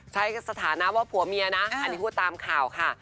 สถานะว่าผัวเมียนะอันนี้พูดตามข่าวค่ะ